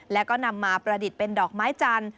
แล้วก็นำมาประดิษฐ์เป็นดอกไม้จันทร์